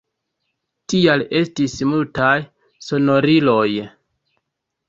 Tial estis multaj sonoriloj.